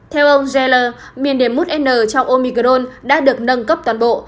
theo ông geller miền điểm một n trong omicron đã được nâng cấp toàn bộ